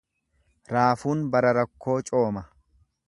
Raafuun bara rakkoo cooma.